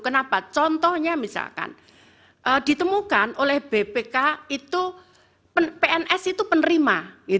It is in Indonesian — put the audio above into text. kenapa contohnya misalkan ditemukan oleh bpk itu pns itu penerima